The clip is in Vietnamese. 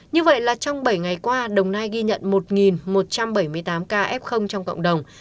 như vậy là trong bảy ngày qua đồng nai ghi nhận một một trăm bảy mươi tám ca f trong cộng đồng